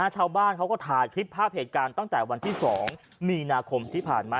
ชาวบ้านเขาก็ถ่ายคลิปภาพเหตุการณ์ตั้งแต่วันที่๒มีนาคมที่ผ่านมา